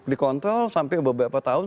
dikontrol sampai beberapa tahun